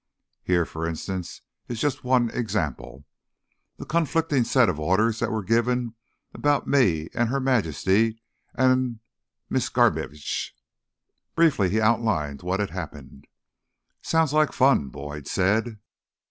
Here, for instance, is just one example: the conflicting sets of orders that were given about me and Her Majesty and L—Miss Garbitsch." Briefly, he outlined what had happened. "Sounds like fun," Boyd said.